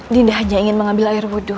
dinda hanya ingin mengambil air wudhu